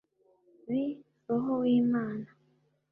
b roho w'imana